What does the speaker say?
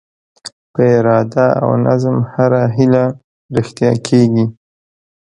په اراده او نظم هره هیله رښتیا کېږي.